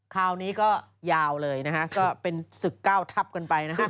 คราวนี้ก็ยาวเลยนะฮะก็เป็นศึก๙ทับกันไปนะฮะ